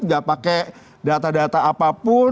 nggak pakai data data apapun